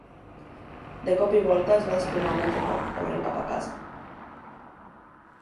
De cop i volta, es va desplomar un altre cop, corrent cap a casa.